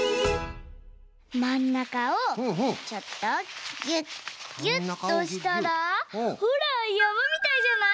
まんなかをちょっとぎゅっぎゅっとしたらほらやまみたいじゃない？